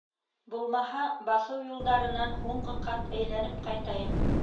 Булмаһа, баҫыу юлдарынан һуңғы ҡат әйләнеп ҡайтайым.